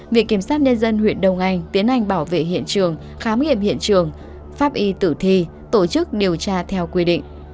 viện kiểm sát nhân dân huyện đông anh tiến hành bảo vệ hiện trường khám nghiệm hiện trường pháp y tử thi tổ chức điều tra theo quy định